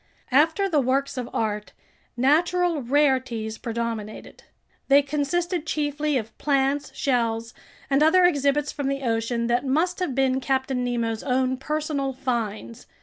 After the works of art, natural rarities predominated. They consisted chiefly of plants, shells, and other exhibits from the ocean that must have been Captain Nemo's own personal finds.